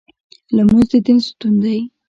لمونځ د دین ستون دی